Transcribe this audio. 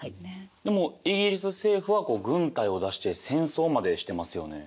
でもイギリス政府は軍隊を出して戦争までしてますよね。